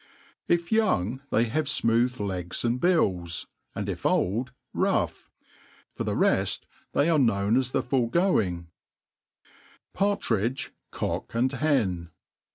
IP young, they have fmoot|i legs and bills % and if old^ roug^* For the reft, they are Jurown as the foregoinf « JpMTtri^f C§ci and Hen.